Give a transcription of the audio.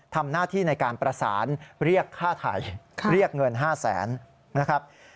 ทำหน้าที่ในการประสานเรียกค่าไทยเรียกเงิน๕แสนนะครับ